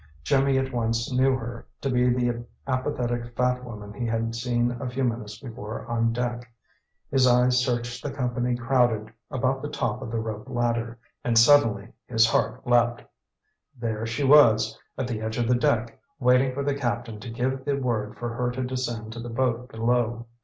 Jimmy at once knew her to be the apathetic fat woman he had seen a few minutes before on deck. His eye searched the company crowded about the top of the rope ladder, and suddenly his heart leaped. There she was, at the edge of the deck, waiting for the captain to give the word for her to descend to the boat below.